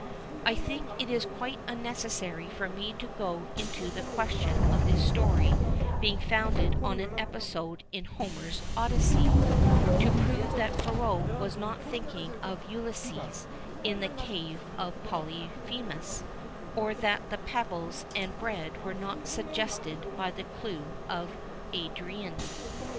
I think it is quite unnecessary for me to go into the question of this story being founded on an episode in Homer's Odyssey, to prove that Perrault was not thinking of Ulysses in the cave of Polyphemus, or that the pebbles and bread were not suggested by the clue of Ariadne.